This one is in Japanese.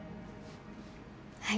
はい。